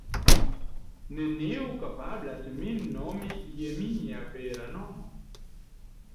Neniu kapablas min nomi je mia vera nomo.